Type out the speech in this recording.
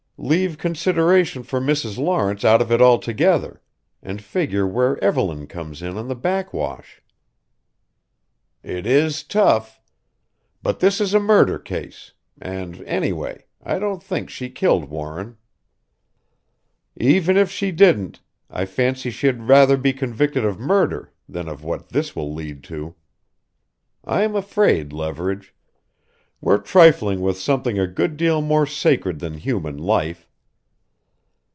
Leave consideration for Mrs. Lawrence out of it altogether and figure where Evelyn comes in on the backwash." "It is tough. But this is a murder case and, anyway, I don't think she killed Warren." "Even if she didn't I fancy she'd rather be convicted of murder than of what this will lead to. I'm afraid, Leverage. We're trifling with something a good deal more sacred than human life.